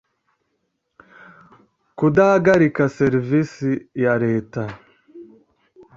kudahagarika serivisi ya leta